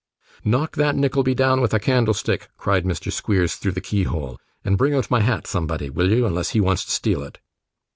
'Knock that Nickleby down with a candlestick,' cried Mr. Squeers, through the keyhole, 'and bring out my hat, somebody, will you, unless he wants to steal it.